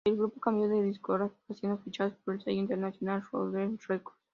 El grupo cambió de discográfica, siendo fichados por el sello internacional Roadrunner Records.